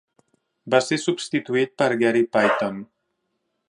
Va ser substituït per Gary Payton.